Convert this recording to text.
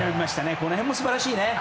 この辺も素晴らしいね。